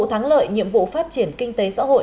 thắng lợi nhiệm vụ phát triển kinh tế xã hội